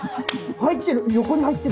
入ってる！